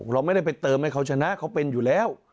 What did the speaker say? เราไม่ได้ไปเติมให้เขาชนะเขาเป็นอยู่แล้ว